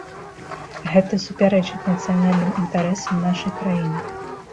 Гэта супярэчыць нацыянальным інтарэсам нашай краіны.